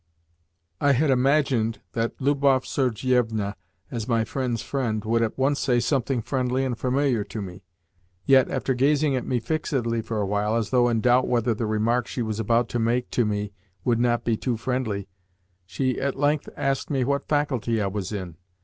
I had imagined that Lubov Sergievna, as my friend's friend, would at once say something friendly and familiar to me; yet, after gazing at me fixedly for a while, as though in doubt whether the remark she was about to make to me would not be too friendly, she at length asked me what faculty I was in.